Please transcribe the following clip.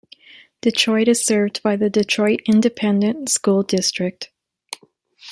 Detroit is served by the Detroit Independent School District.